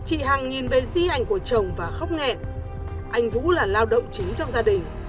chị hàng nhìn về di ảnh của chồng và khóc nghẹn anh vũ là lao động chính trong gia đình